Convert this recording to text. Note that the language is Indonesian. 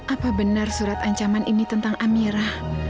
apa benar surat ancaman ini tentang amirah